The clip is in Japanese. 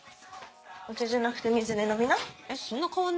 お茶じゃなくて水で飲みな。